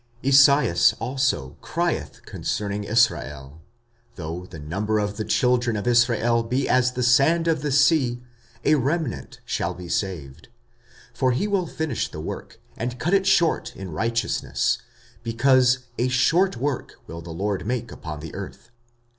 45:009:027 Esaias also crieth concerning Israel, Though the number of the children of Israel be as the sand of the sea, a remnant shall be saved: 45:009:028 For he will finish the work, and cut it short in righteousness: because a short work will the Lord make upon the earth.